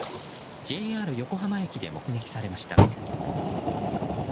ＪＲ横浜駅で目撃されました。